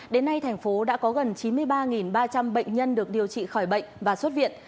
đến nay thành phố đã có gần chín mươi ba ba trăm linh bệnh nhân được điều trị khỏi bệnh và xuất viện